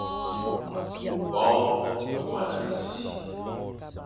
Boñe be mana si,